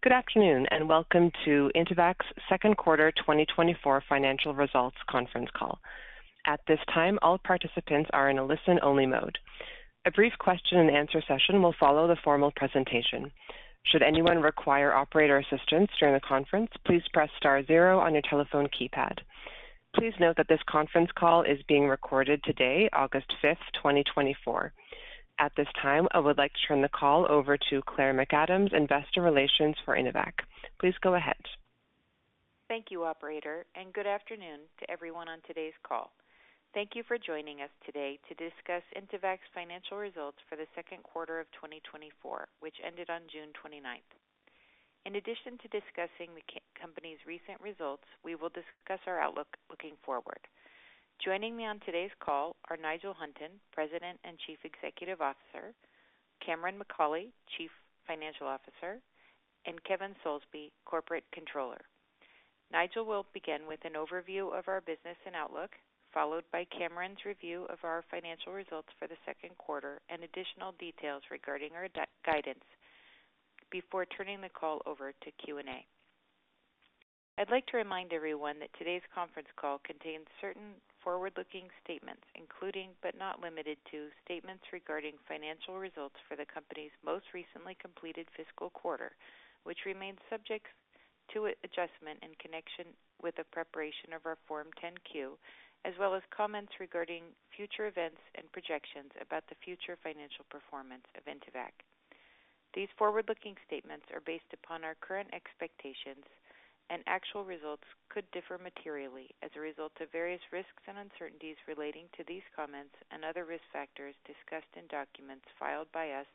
Good afternoon, and welcome to Intevac's second quarter 2024 financial results conference call. At this time, all participants are in a listen-only mode. A brief question and answer session will follow the formal presentation. Should anyone require operator assistance during the conference, please press star zero on your telephone keypad. Please note that this conference call is being recorded today, August 5, 2024. At this time, I would like to turn the call over to Claire McAdams, Investor Relations for Intevac. Please go ahead. Thank you, operator, and good afternoon to everyone on today's call. Thank you for joining us today to discuss Intevac's financial results for the second quarter of 2024, which ended on June 29th. In addition to discussing the company's recent results, we will discuss our outlook looking forward. Joining me on today's call are Nigel Hunton, President and Chief Executive Officer, Cameron Macaulay, Chief Financial Officer, and Kevin Soulsby, Corporate Controller. Nigel will begin with an overview of our business and outlook, followed by Cameron's review of our financial results for the second quarter and additional details regarding our guidance, before turning the call over to Q&A. I'd like to remind everyone that today's conference call contains certain forward-looking statements, including, but not limited to, statements regarding financial results for the company's most recently completed fiscal quarter, which remains subject to adjustment in connection with the preparation of our Form 10-Q, as well as comments regarding future events and projections about the future financial performance of Intevac. These forward-looking statements are based upon our current expectations, and actual results could differ materially as a result of various risks and uncertainties relating to these comments and other risk factors discussed in documents filed by us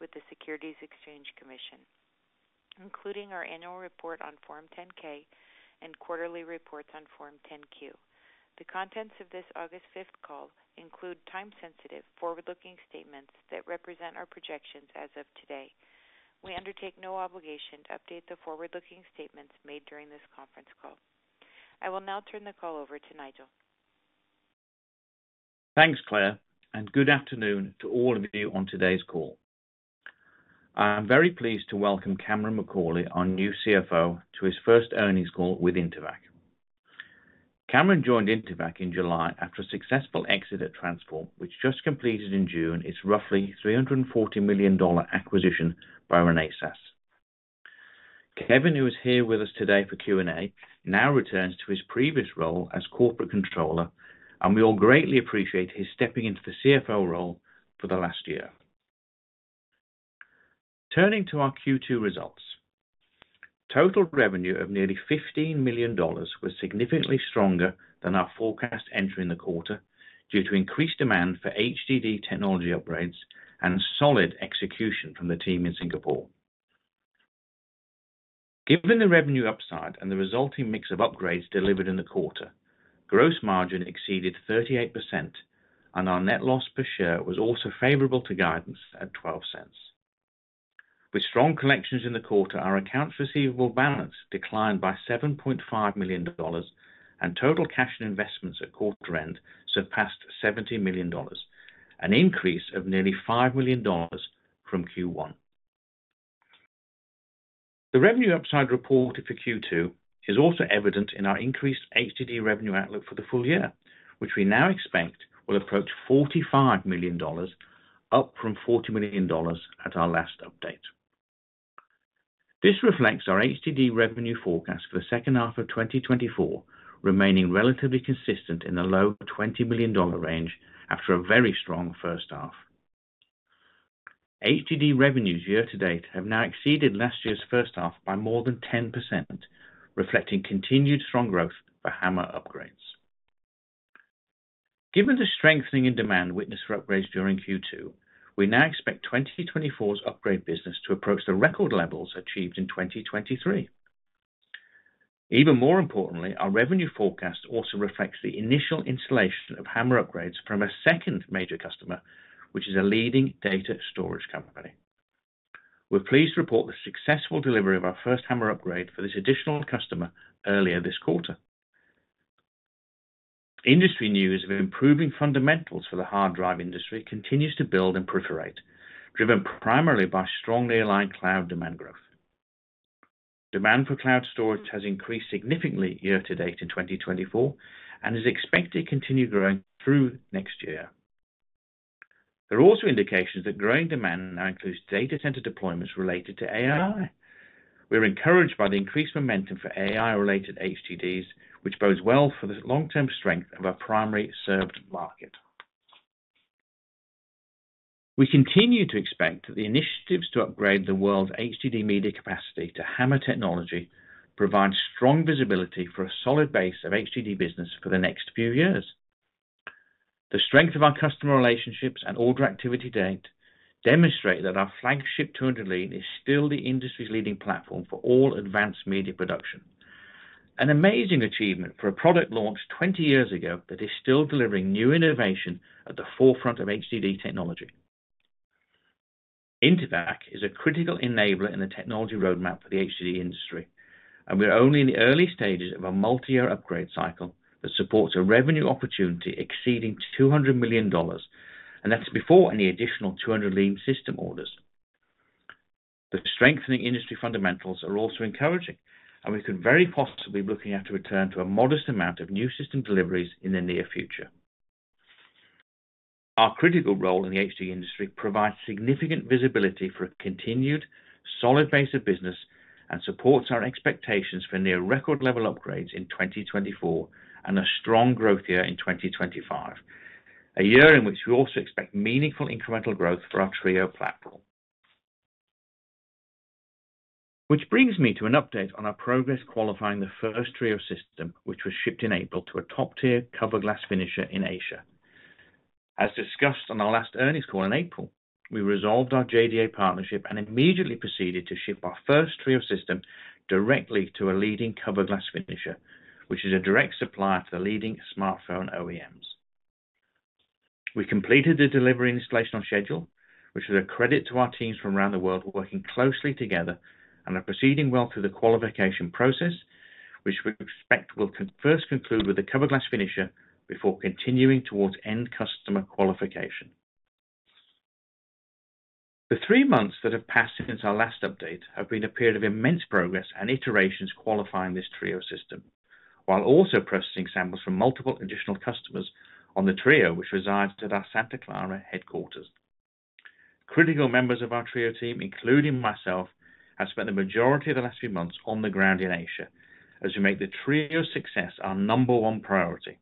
with the Securities and Exchange Commission, including our annual report on Form 10-K and quarterly reports on Form 10-Q. The contents of this August fifth call include time-sensitive, forward-looking statements that represent our projections as of today. We undertake no obligation to update the forward-looking statements made during this conference call. I will now turn the call over to Nigel. Thanks, Claire, and good afternoon to all of you on today's call. I'm very pleased to welcome Cameron McAulay, our new CFO, to his first earnings call with Intevac. Cameron joined Intevac in July after a successful exit at Transphorm, which just completed in June, its roughly $340 million acquisition by Renesas. Kevin, who is here with us today for Q&A, now returns to his previous role as corporate controller, and we all greatly appreciate his stepping into the CFO role for the last year. Turning to our Q2 results, total revenue of nearly $15 million was significantly stronger than our forecast entering the quarter due to increased demand for HDD technology upgrades and solid execution from the team in Singapore. Given the revenue upside and the resulting mix of upgrades delivered in the quarter, gross margin exceeded 38%, and our net loss per share was also favorable to guidance at $0.12. With strong collections in the quarter, our accounts receivable balance declined by $7.5 million, and total cash and investments at quarter end surpassed $70 million, an increase of nearly $5 million from Q1. The revenue upside reported for Q2 is also evident in our increased HDD revenue outlook for the full year, which we now expect will approach $45 million, up from $40 million at our last update. This reflects our HDD revenue forecast for the second half of 2024, remaining relatively consistent in the low $20 million range after a very strong first half. HDD revenues year to date have now exceeded last year's first half by more than 10%, reflecting continued strong growth for HAMR upgrades. Given the strengthening in demand witnessed for upgrades during Q2, we now expect 2024's upgrade business to approach the record levels achieved in 2023. Even more importantly, our revenue forecast also reflects the initial installation of HAMR upgrades from a second major customer, which is a leading data storage company. We're pleased to report the successful delivery of our first HAMR upgrade for this additional customer earlier this quarter. Industry news of improving fundamentals for the hard drive industry continues to build and proliferate, driven primarily by strong nearline cloud demand growth. Demand for cloud storage has increased significantly year to date in 2024 and is expected to continue growing through next year. There are also indications that growing demand now includes data center deployments related to AI. We are encouraged by the increased momentum for AI-related HDDs, which bodes well for the long-term strength of our primary served market. We continue to expect that the initiatives to upgrade the world's HDD media capacity to HAMR technology provide strong visibility for a solid base of HDD business for the next few years. The strength of our customer relationships and order activity to date demonstrate that our flagship 200 Lean is still the industry's leading platform for all advanced media production. An amazing achievement for a product launched 20 years ago that is still delivering new innovation at the forefront of HDD technology. Intevac is a critical enabler in the technology roadmap for the HDD industry.... We're only in the early stages of a multi-year upgrade cycle that supports a revenue opportunity exceeding $200 million, and that's before any additional 200 Lean system orders. The strengthening industry fundamentals are also encouraging, and we could very possibly be looking at a return to a modest amount of new system deliveries in the near future. Our critical role in the HDD industry provides significant visibility for a continued solid base of business, and supports our expectations for near record level upgrades in 2024, and a strong growth year in 2025. A year in which we also expect meaningful incremental growth for our TRIO platform. Which brings me to an update on our progress qualifying the first TRIO system, which was shipped in April to a top-tier cover glass finisher in Asia. As discussed on our last earnings call in April, we resolved our JDA partnership and immediately proceeded to ship our first TRIO system directly to a leading cover glass finisher, which is a direct supplier to the leading smartphone OEMs. We completed the delivery and installation on schedule, which is a credit to our teams from around the world, working closely together, and are proceeding well through the qualification process, which we expect will first conclude with a cover glass finisher before continuing towards end customer qualification. The three months that have passed since our last update have been a period of immense progress and iterations qualifying this TRIO system, while also processing samples from multiple additional customers on the TRIO, which resides at our Santa Clara headquarters. Critical members of our TRIO team, including myself, have spent the majority of the last few months on the ground in Asia, as we make the TRIO success our number one priority.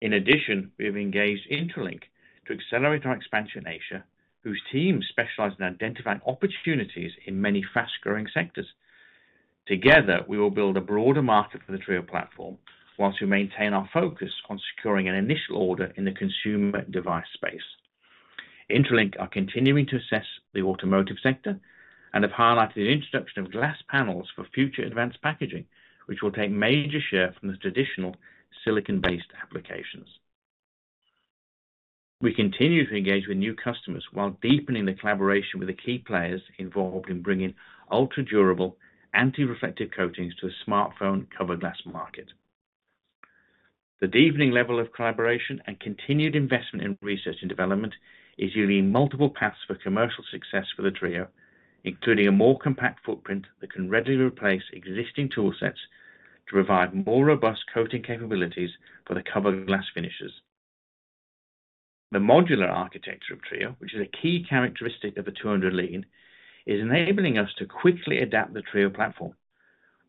In addition, we have engaged Interlink to accelerate our expansion in Asia, whose teams specialize in identifying opportunities in many fast-growing sectors. Together, we will build a broader market for the TRIO platform, while we maintain our focus on securing an initial order in the consumer device space. Interlink are continuing to assess the automotive sector and have highlighted the introduction of glass panels for future advanced packaging, which will take major share from the traditional silicon-based applications. We continue to engage with new customers while deepening the collaboration with the key players involved in bringing ultra-durable, anti-reflective coatings to the smartphone cover glass market. The deepening level of collaboration and continued investment in research and development is yielding multiple paths for commercial success for the TRIO, including a more compact footprint that can readily replace existing tool sets to provide more robust coating capabilities for the cover glass finishers. The modular architecture of TRIO, which is a key characteristic of the 200 Lean, is enabling us to quickly adapt the TRIO platform.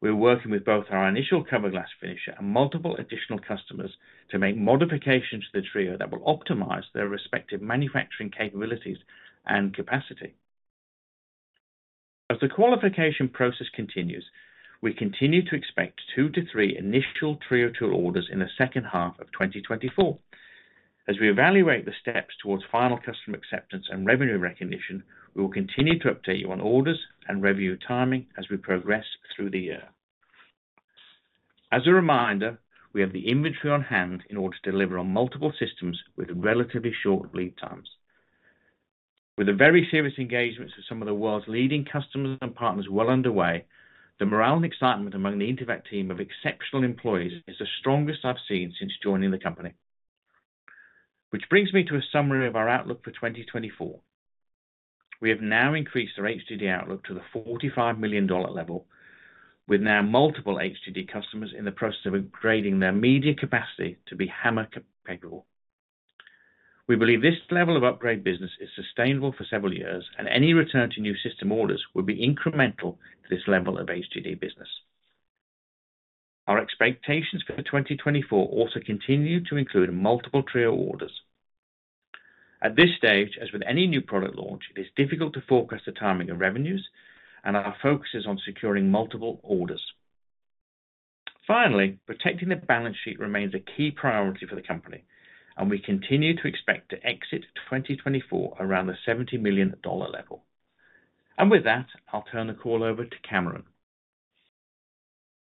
We're working with both our initial cover glass finisher and multiple additional customers to make modifications to the TRIO that will optimize their respective manufacturing capabilities and capacity. As the qualification process continues, we continue to expect 2-3 initial TRIO tool orders in the second half of 2024. As we evaluate the steps towards final customer acceptance and revenue recognition, we will continue to update you on orders and revenue timing as we progress through the year. As a reminder, we have the inventory on hand in order to deliver on multiple systems with relatively short lead times. With the very serious engagements of some of the world's leading customers and partners well underway, the morale and excitement among the Intevac team of exceptional employees is the strongest I've seen since joining the company. Which brings me to a summary of our outlook for 2024. We have now increased our HDD outlook to the $45 million level, with now multiple HDD customers in the process of upgrading their media capacity to be HAMR compatible. We believe this level of upgrade business is sustainable for several years, and any return to new system orders will be incremental to this level of HDD business. Our expectations for the 2024 also continue to include multiple TRIO orders. At this stage, as with any new product launch, it is difficult to forecast the timing of revenues, and our focus is on securing multiple orders. Finally, protecting the balance sheet remains a key priority for the company, and we continue to expect to exit 2024 around the $70 million level. And with that, I'll turn the call over to Cameron.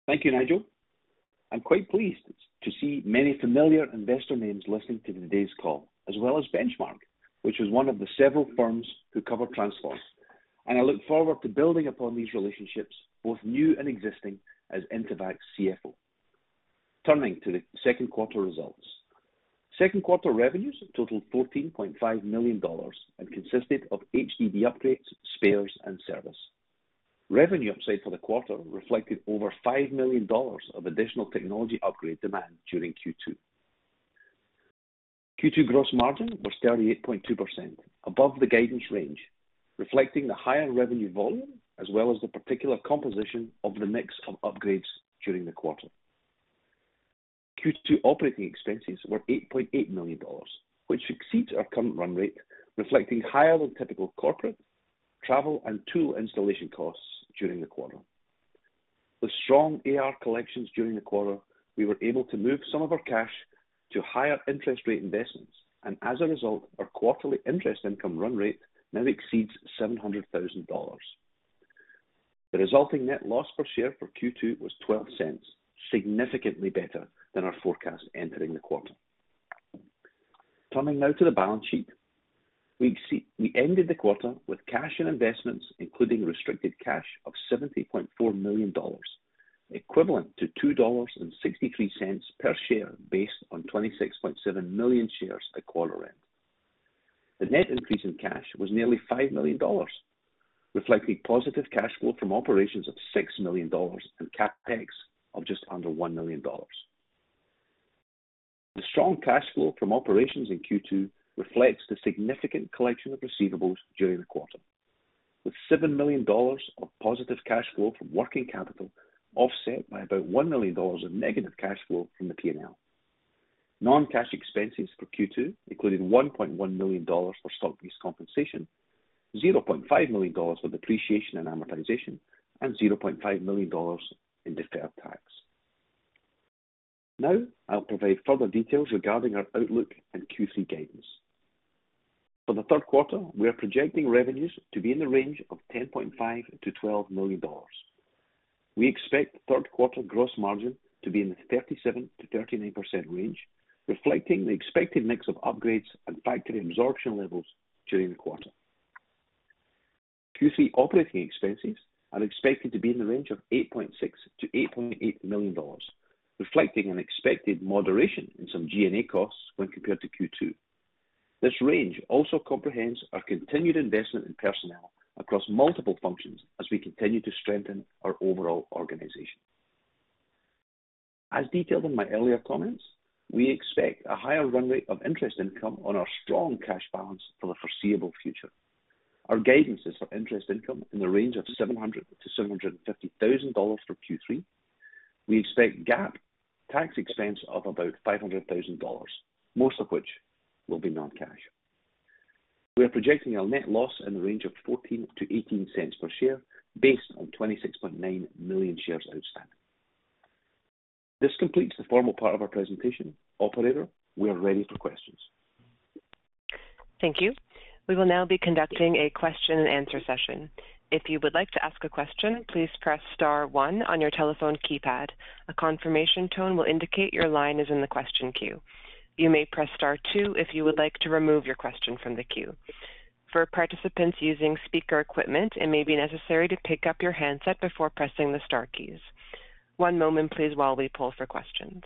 Thank you, Nigel. I'm quite pleased to see many familiar investor names listening to today's call, as well as Benchmark, which is one of the several firms who cover Intevac, and I look forward to building upon these relationships, both new and existing, as Intevac's CFO. Turning to the second quarter results. Second quarter revenues totaled $14.5 million and consisted of HDD upgrades, spares, and service. Revenue upside for the quarter reflected over $5 million of additional technology upgrade demand during Q2. Q2 gross margin was 38.2%, above the guidance range, reflecting the higher revenue volume, as well as the particular composition of the mix of upgrades during the quarter. Q2 operating expenses were $8.8 million, which exceeds our current run rate, reflecting higher than typical corporate, travel, and tool installation costs during the quarter. With strong AR collections during the quarter, we were able to move some of our cash to higher interest rate investments, and as a result, our quarterly interest income run rate now exceeds $700,000. The resulting net loss per share for Q2 was $0.12, significantly better than our forecast entering the quarter. Turning now to the balance sheet. We ended the quarter with cash and investments, including restricted cash of $70.4 million, equivalent to $2.63 per share, based on 26.7 million shares at quarter end. The net increase in cash was nearly $5 million, reflecting positive cash flow from operations of $6 million and CapEx of just under $1 million. The strong cash flow from operations in Q2 reflects the significant collection of receivables during the quarter, with $7 million of positive cash flow from working capital, offset by about $1 million of negative cash flow from the PNL. Non-cash expenses for Q2, including $1.1 million for stock-based compensation, $0.5 million for depreciation and amortization, and $0.5 million in deferred tax. Now, I'll provide further details regarding our outlook and Q3 guidance. For the third quarter, we are projecting revenues to be in the range of $10.5 million-$12 million. We expect third quarter gross margin to be in the 37%-39% range, reflecting the expected mix of upgrades and factory absorption levels during the quarter. Q3 operating expenses are expected to be in the range of $8.6 million-$8.8 million, reflecting an expected moderation in some G&A costs when compared to Q2. This range also comprehends our continued investment in personnel across multiple functions as we continue to strengthen our overall organization. As detailed in my earlier comments, we expect a higher run rate of interest income on our strong cash balance for the foreseeable future. Our guidance is for interest income in the range of $700,000-$750,000 for Q3. We expect GAAP tax expense of about $500,000, most of which will be non-cash. We are projecting a net loss in the range of 14-18 cents per share based on 26.9 million shares outstanding. This completes the formal part of our presentation. Operator, we are ready for questions. Thank you. We will now be conducting a question and answer session. If you would like to ask a question, please press star one on your telephone keypad. A confirmation tone will indicate your line is in the question queue. You may press star two if you would like to remove your question from the queue. For participants using speaker equipment, it may be necessary to pick up your handset before pressing the star keys. One moment, please, while we pull for questions.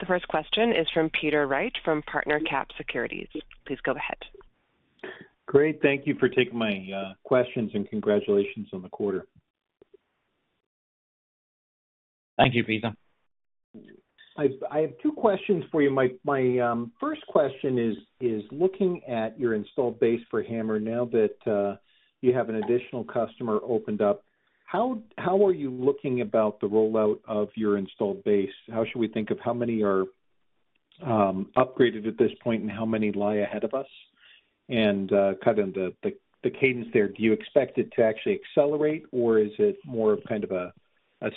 The first question is from Peter Wright, from PartnerCap Securities. Please go ahead. Great, thank you for taking my questions, and congratulations on the quarter. Thank you, Peter. I have two questions for you. My first question is looking at your installed base for HAMR, now that you have an additional customer opened up, how are you looking about the rollout of your installed base? How should we think of how many are upgraded at this point, and how many lie ahead of us? And kind of the cadence there, do you expect it to actually accelerate, or is it more of kind of a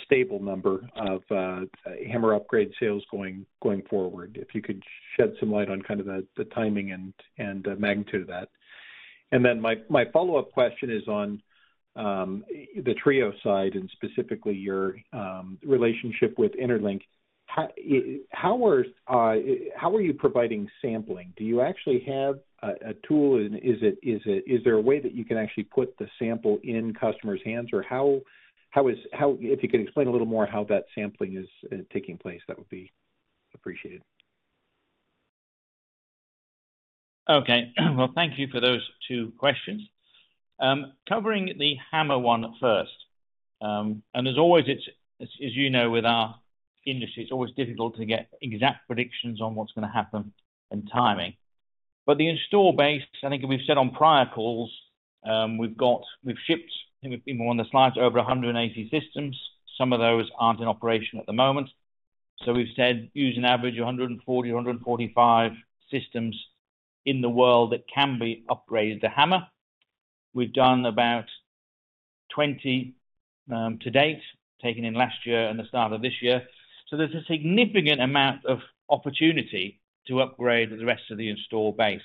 stable number of HAMR upgrade sales going forward? If you could shed some light on kind of the timing and the magnitude of that. And then my follow-up question is on the TRIO side and specifically your relationship with Interlink. How are you providing sampling? Do you actually have a tool, and is it – is there a way that you can actually put the sample in customers' hands? Or how is... If you could explain a little more how that sampling is taking place, that would be appreciated. Okay. Well, thank you for those two questions. Covering the HAMR one first. And as always, it's, as you know, with our industry, it's always difficult to get exact predictions on what's gonna happen and timing. But the install base, I think, and we've said on prior calls, we've shipped, I think it may be more on the slides, over 180 systems. Some of those aren't in operation at the moment. So we've said, use an average of 140, 145 systems in the world that can be upgraded to HAMR. We've done about 20 to date, taking in last year and the start of this year. So there's a significant amount of opportunity to upgrade the rest of the install base.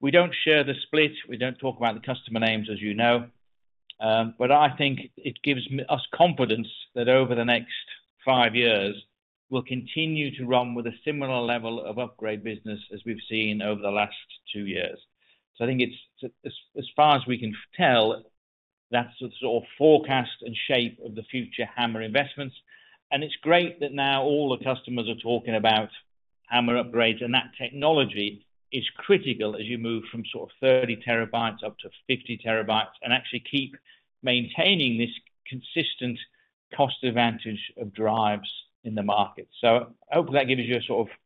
We don't share the split. We don't talk about the customer names, as you know. But I think it gives us confidence that over the next five years, we'll continue to run with a similar level of upgrade business as we've seen over the last two years. So I think it's, as far as we can tell, that's the sort of forecast and shape of the future HAMR investments. And it's great that now all the customers are talking about HAMR upgrades, and that technology is critical as you move from sort of 30 TB up to 50 TB, and actually keep maintaining this consistent cost advantage of drives in the market. So I hope that gives you a sort of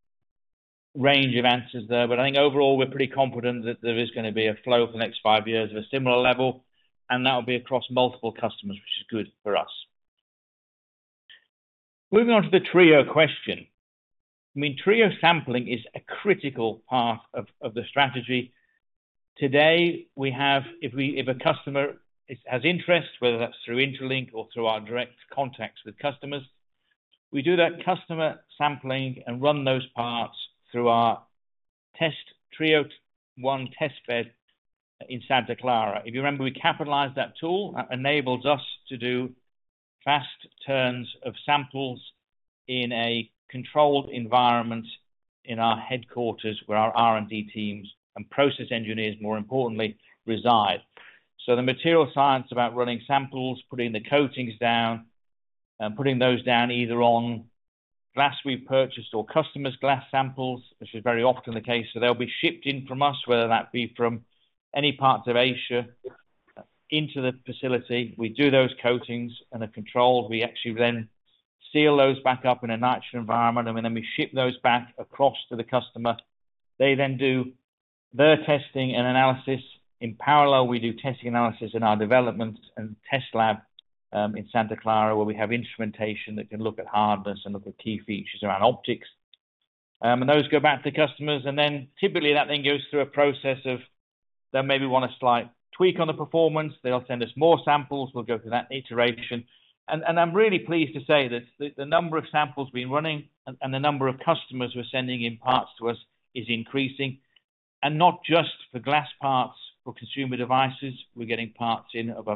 range of answers there, but I think overall, we're pretty confident that there is gonna be a flow for the next five years at a similar level, and that will be across multiple customers, which is good for us. Moving on to the TRIO question. I mean, TRIO sampling is a critical part of the strategy. Today, we have... If a customer has interest, whether that's through Interlink or through our direct contacts with customers, we do that customer sampling and run those parts through our-... test TRIO one test bed in Santa Clara. If you remember, we capitalized that tool. That enables us to do fast turns of samples in a controlled environment in our headquarters, where our R&D teams and process engineers, more importantly, reside. So the material science about running samples, putting the coatings down, and putting those down either on glass we purchased or customer's glass samples, which is very often the case. So they'll be shipped in from us, whether that be from any parts of Asia, into the facility. We do those coatings and the control. We actually then seal those back up in a natural environment, and then we ship those back across to the customer. They then do their testing and analysis. In parallel, we do testing analysis in our development and test lab in Santa Clara, where we have instrumentation that can look at hardness and look at key features around optics. And those go back to the customers, and then typically that then goes through a process of they maybe want a slight tweak on the performance. They'll send us more samples. We'll go through that iteration. And I'm really pleased to say that the number of samples we've been running and the number of customers who are sending in parts to us is increasing, and not just for glass parts, for consumer devices. We're getting parts in of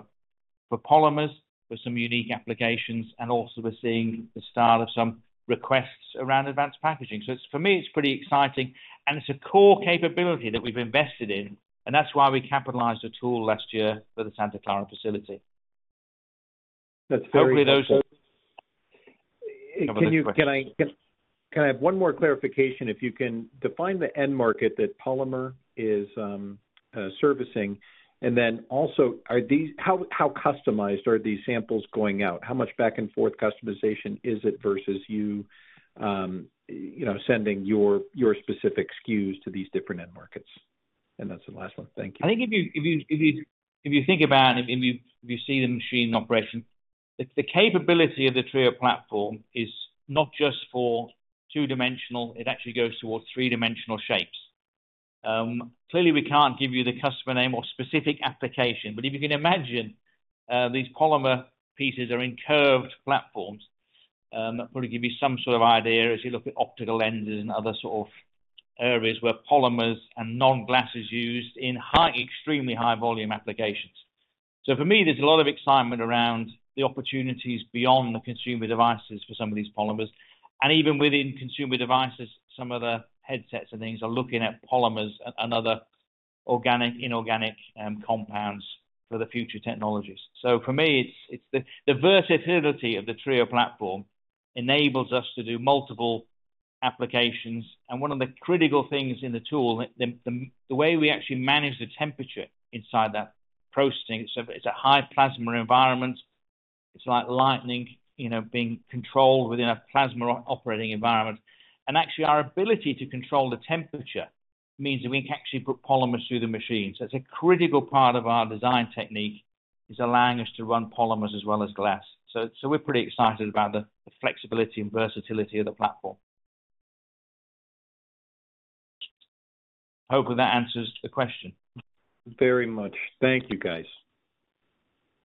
for polymers, for some unique applications, and also we're seeing the start of some requests around advanced packaging. It's, for me, it's pretty exciting, and it's a core capability that we've invested in, and that's why we capitalized the tool last year for the Santa Clara facility. That's very- Hopefully, those are Can I have one more clarification? If you can define the end market that polymer is servicing, and then also, how customized are these samples going out? How much back and forth customization is it versus you, you know, sending your specific SKUs to these different end markets? And that's the last one. Thank you. I think if you think about it, if you see the machine operation, it's the capability of the TRIO platform is not just for two-dimensional, it actually goes towards three-dimensional shapes. Clearly, we can't give you the customer name or specific application, but if you can imagine, these polymer pieces are in curved platforms, that probably give you some sort of idea as you look at optical lenses and other sort of areas where polymers and non-glass is used in extremely high volume applications. So for me, there's a lot of excitement around the opportunities beyond the consumer devices for some of these polymers. And even within consumer devices, some of the headsets and things are looking at polymers and other organic, inorganic compounds for the future technologies. So for me, it's the versatility of the TRIO platform enables us to do multiple applications. And one of the critical things in the tool, the way we actually manage the temperature inside that processing, so it's a high plasma environment. It's like lightning, you know, being controlled within a plasma operating environment. And actually, our ability to control the temperature means that we can actually put polymers through the machine. So it's a critical part of our design technique is allowing us to run polymers as well as glass. So we're pretty excited about the flexibility and versatility of the platform. Hopefully, that answers the question. Very much. Thank you, guys.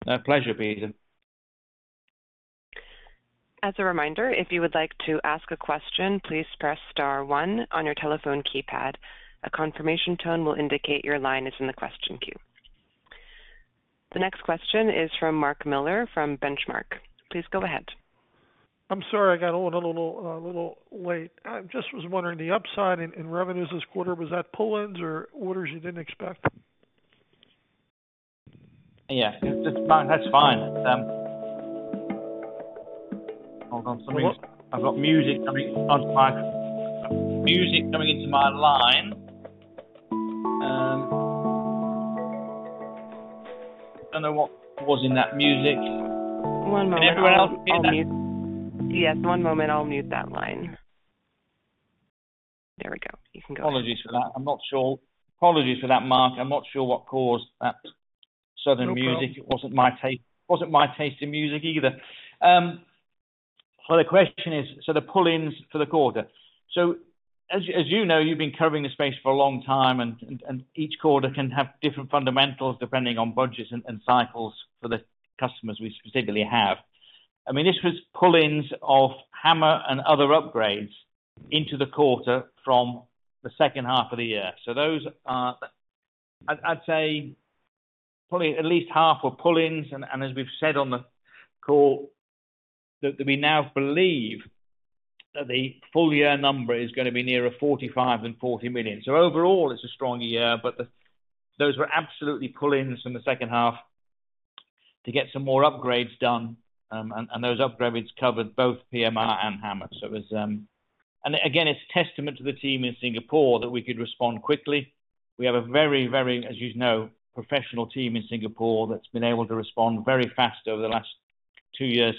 A pleasure, Peter. As a reminder, if you would like to ask a question, please press star one on your telephone keypad. A confirmation tone will indicate your line is in the question queue. The next question is from Mark Miller, from Benchmark. Please go ahead. I'm sorry, I got on a little, a little late. I just was wondering, the upside in revenues this quarter, was that pull-ins or orders you didn't expect? Yeah, that's fine. It's... Hold on. Somebody, I've got music coming on my—music coming into my line. I don't know what was in that music. One moment. Can anyone else hear that? Yes, one moment, I'll mute that line. There we go. You can go ahead. Apologies for that. I'm not sure. Apologies for that, Mark. I'm not sure what caused that sudden music. No problem. It wasn't my taste, wasn't my taste in music either. So the question is, so the pull-ins for the quarter. So as you, as you know, you've been covering the space for a long time, and each quarter can have different fundamentals depending on budgets and cycles for the customers we specifically have. I mean, this was pull-ins of hammer and other upgrades into the quarter from the second half of the year. So those are... I'd say probably at least half were pull-ins, and as we've said on the call, that we now believe that the full year number is gonna be nearer $45 million and $40 million. So overall, it's a strong year, but the those were absolutely pull-ins from the second half to get some more upgrades done, and those upgrades covered both PMR and HAMR. So it was... And again, it's testament to the team in Singapore that we could respond quickly. We have a very, very, as you know, professional team in Singapore that's been able to respond very fast over the last two years,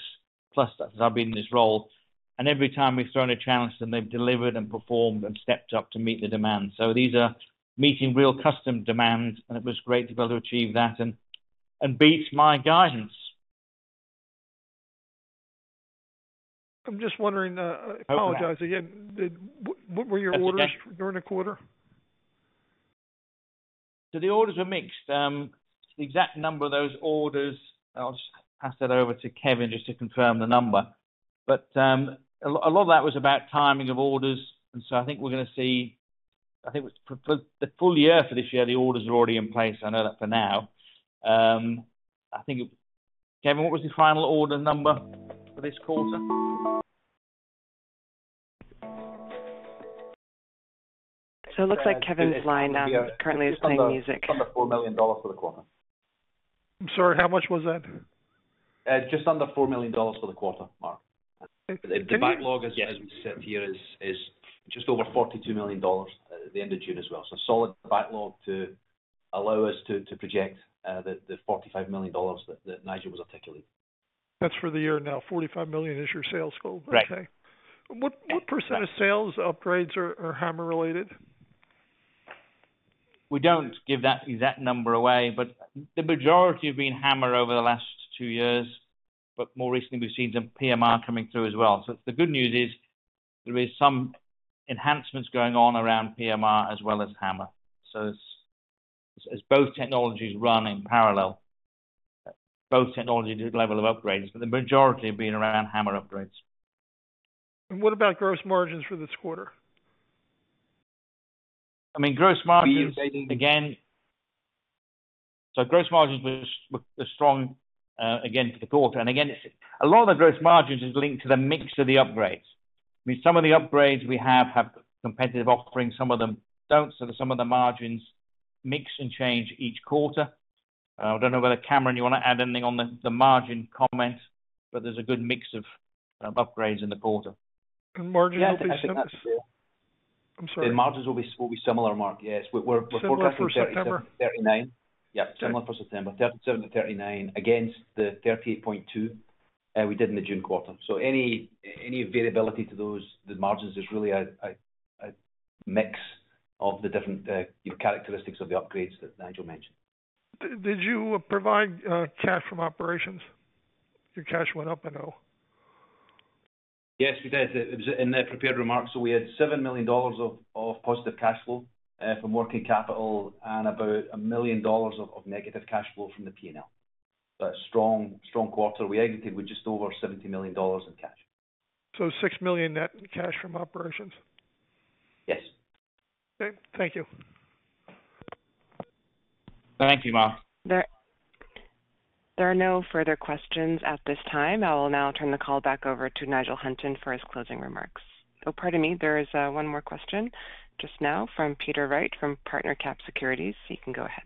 plus, as I've been in this role. And every time we've thrown a challenge to them, they've delivered and performed and stepped up to meet the demand. So these are meeting real customer demands, and it was great to be able to achieve that and beat my guidance. I'm just wondering, I apologize again. Okay. What were your orders? That's okay - during the quarter?... So the orders were mixed. The exact number of those orders, I'll just pass that over to Kevin just to confirm the number. But, a lot of that was about timing of orders, and so I think we're gonna see, I think it was the full year for this year, the orders are already in place. I know that for now. I think, Kevin, what was the final order number for this quarter? So it looks like Kevin's line, currently playing music. Under $4 million for the quarter. I'm sorry, how much was that? Just under $4 million for the quarter, Mark. Can you- The backlog, as we sit here, is just over $42 million at the end of June as well. So a solid backlog to allow us to project the $45 million that Nigel was articulating. That's for the year now, $45 million is your sales goal? Right. Okay. What % of sales upgrades are HAMR related? We don't give that exact number away, but the majority have been HAMR over the last two years. But more recently, we've seen some PMR coming through as well. So the good news is there is some enhancements going on around PMR as well as HAMR. So as both technologies run in parallel, both technologies level of upgrades, but the majority have been around HAMR upgrades. What about gross margins for this quarter? I mean, gross margins, again... So gross margins were strong, again, for the quarter. And again, a lot of the gross margins is linked to the mix of the upgrades. I mean, some of the upgrades we have have competitive offerings, some of them don't. So some of the margins mix and change each quarter. I don't know whether, Cameron, you want to add anything on the margin comment, but there's a good mix of upgrades in the quarter. And margins will be- Yeah, I think that's- I'm sorry. The margins will be similar, Mark. Yes, we're forecasting- Similar for September. 39. Yeah, similar for September. 37-39 against the 38.2 we did in the June quarter. So any variability to those, the margins is really a mix of the different characteristics of the upgrades that Nigel mentioned. Did you provide cash from operations? Your cash went up, I know. Yes, we did. It was in the prepared remarks. So we had $7 million of, of positive cash flow from working capital and about $1 million of, of negative cash flow from the P&L. But strong, strong quarter, we exited with just over $70 million in cash. $6 million net in cash from operations? Yes. Okay, thank you. Thank you, Mark. There are no further questions at this time. I will now turn the call back over to Nigel Hunton for his closing remarks. Oh, pardon me, there is one more question just now from Peter Wright, from PartnerCap Securities. So you can go ahead.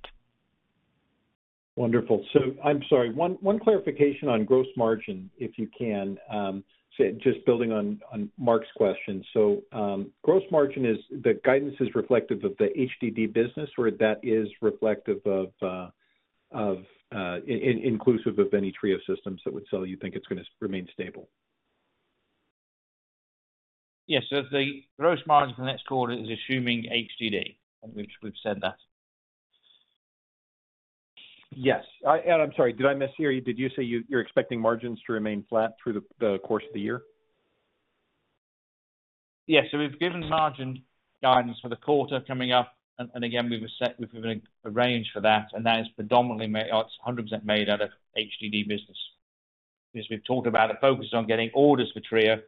Wonderful. So I'm sorry, one clarification on gross margin, if you can. So, just building on Mark's question. So, gross margin is the guidance is reflective of the HDD business, or that is reflective of inclusive of any TRIO systems that would sell, you think it's gonna remain stable? Yes. So the gross margin for the next quarter is assuming HDD, and we've said that. Yes. And I'm sorry, did I mishear you? Did you say you're expecting margins to remain flat through the course of the year? Yes. So we've given margin guidance for the quarter coming up, and, and again, we've set within a range for that, and that is predominantly made out of HDD business. Because we've talked about a focus on getting orders for TRIO,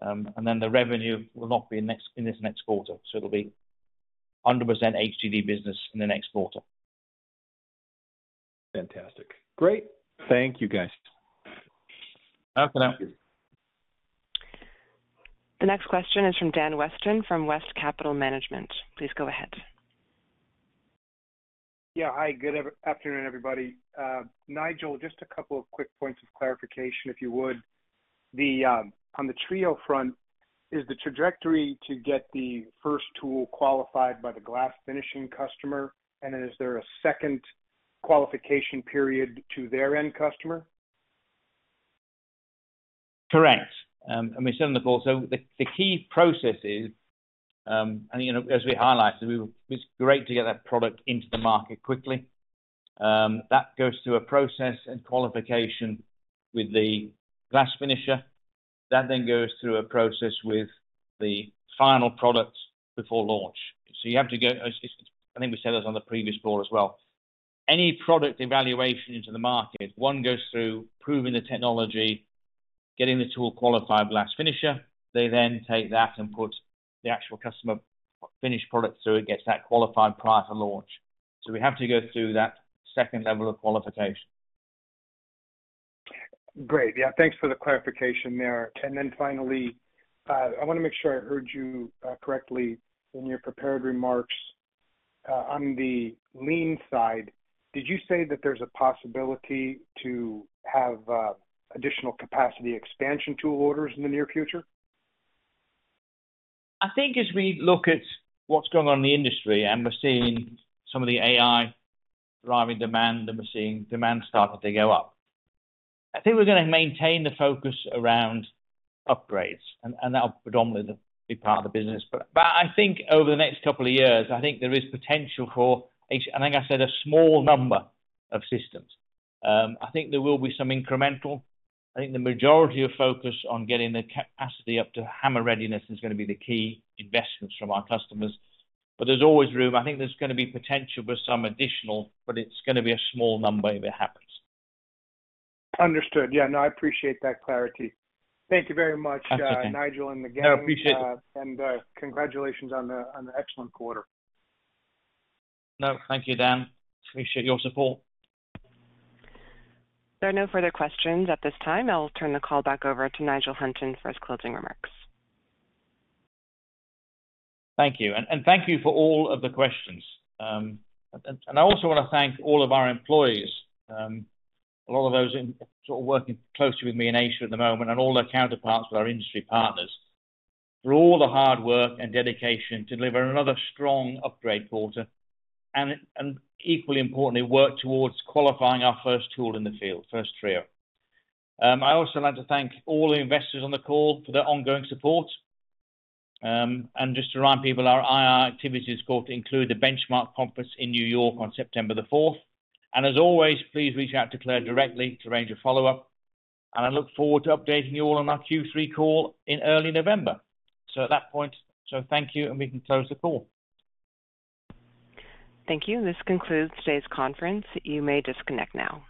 and then the revenue will not be in next, in this next quarter, so it'll be 100% HDD business in the next quarter. Fantastic. Great. Thank you, guys. Okay. The next question is from Dan Weston, from West Capital Management. Please go ahead. Yeah. Hi, good afternoon, everybody. Nigel, just a couple of quick points of clarification, if you would. The, on the TRIO front, is the trajectory to get the first tool qualified by the glass finishing customer, and then is there a second qualification period to their end customer? Correct. So the key processes, and, you know, as we highlighted, it's great to get that product into the market quickly. That goes through a process and qualification with the glass finisher. That then goes through a process with the final products before launch. So you have to go, I think we said this on the previous call as well. Any product evaluation into the market, one goes through proving the technology, getting the tool qualified, glass finisher. They then take that and put the actual customer finished product, so it gets that qualified prior to launch. So we have to go through that second level of qualification. Great. Yeah, thanks for the clarification there. And then finally, I wanna make sure I heard you correctly in your prepared remarks, on the Lean side, did you say that there's a possibility to have additional capacity expansion tool orders in the near future? I think as we look at what's going on in the industry, and we're seeing some of the AI driving demand, and we're seeing demand start to go up, I think we're gonna maintain the focus around upgrades, and, and that will predominantly be part of the business. But, but I think over the next couple of years, I think there is potential for HAMR—I think I said a small number of systems. I think there will be some incremental. I think the majority of focus on getting the capacity up to HAMR readiness is gonna be the key investments from our customers. But there's always room. I think there's gonna be potential for some additional, but it's gonna be a small number if it happens. Understood. Yeah, no, I appreciate that clarity. Thank you very much. Okay. Nigel and the gang. No, appreciate it. Congratulations on the excellent quarter. No, thank you, Dan. Appreciate your support. There are no further questions at this time. I'll turn the call back over to Nigel Hunton for his closing remarks. Thank you, and thank you for all of the questions. I also want to thank all of our employees, a lot of those in, sort of working closely with me in Asia at the moment, and all their counterparts with our industry partners, for all the hard work and dedication to deliver another strong upgrade quarter, and equally importantly, work towards qualifying our first tool in the field, first TRIO. I'd also like to thank all the investors on the call for their ongoing support. Just to remind people, our IR activities call to include the Benchmark Conference in New York on September the fourth. As always, please reach out to Claire directly to arrange a follow-up, and I look forward to updating you all on our Q3 call in early November. At that point, so thank you, and we can close the call. Thank you. This concludes today's conference. You may disconnect now.